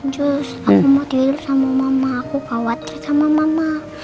jus aku mau tidur sama mama aku khawatir sama mama